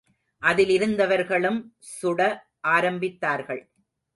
அதிலிருந்தவர்களும் சுட ஆரம்பித்தார்கள்.